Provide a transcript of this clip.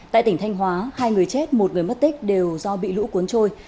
tại tỉnh thanh hóa hai người chết một người mất tích đều do bị lũ cuốn trôi